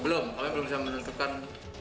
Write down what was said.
belum kami belum bisa menentukan